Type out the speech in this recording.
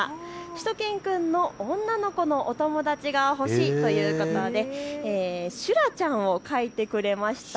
しゅと犬くんの女の子のお友達がほしいということでしゅらちゃんを描いてくれました。